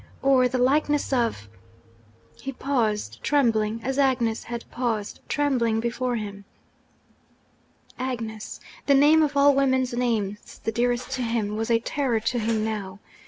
or the likeness of ?' He paused trembling, as Agnes had paused trembling before him. Agnes! The name, of all women's names the dearest to him, was a terror to him now!